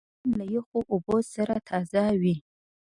رومیان له یخو اوبو سره تازه وي